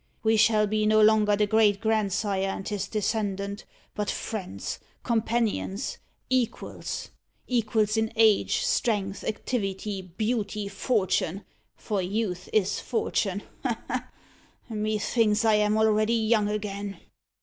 "We shall be no longer the great grandsire and his descendant, but friends companions equals, equals in age, strength, activity, beauty, fortune for youth is fortune ha! ha! Methinks I am already young again!"